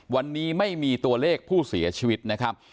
วันนี้ไม่มีตัวเลขผู้เสียชีวิตนะครับ